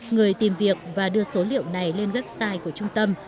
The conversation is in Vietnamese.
người tìm việc và đưa số liệu này lên website của trung tâm